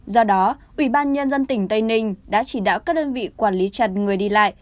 do đó ubnd tỉnh tây ninh đã chỉ đạo các đơn vị quản lý chặt người đi lại